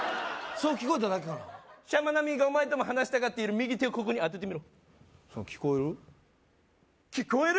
そう聞こえただけかなシャマナミーがお前とも話したがっている右手をここに当ててみろ聞こえる？